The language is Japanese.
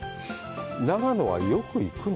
長野はよく行くの？